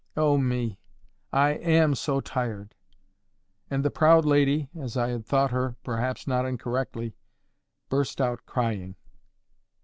Oh me! I AM so tired!" And the PROUD lady, as I had thought her, perhaps not incorrectly, burst out crying.